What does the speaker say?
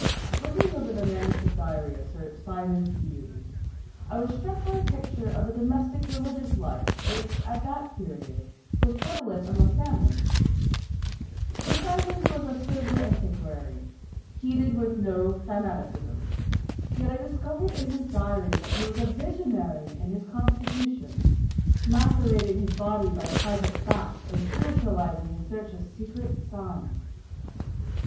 Looking over the manuscript diary of Sir Symonds D'Ewes, I was struck by a picture of the domestic religious life which at that period was prevalent among families. Sir Symonds was a sober antiquary, heated with no fanaticism, yet I discovered in his diary that he was a visionary in his constitution, macerating his body by private fasts, and spiritualising in search of secret signs.